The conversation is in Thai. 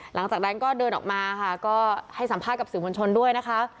หลังจากนั้นก็เดินออกมาค่ะก็ให้สัมภาษณ์กับสื่อมวลชนด้วยนะคะ